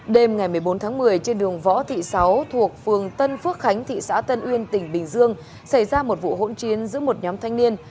đêm ngày một mươi bốn tháng một mươi trên đường võ thị sáu thuộc phường tân phước khánh thị xã tân uyên tỉnh bình dương xảy ra một vụ hỗn chiến giữa một nhóm thanh niên